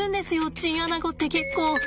チンアナゴって結構。